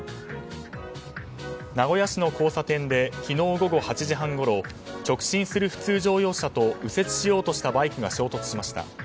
名古屋市の交差点で昨日午後８時半ごろ勅撰する普通乗用車と右折しようとしたバイクが衝突しました。